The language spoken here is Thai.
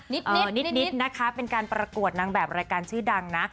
เหนือนิดนะคะเป็นการประกวดนางแบบรายการชื่อดังนะ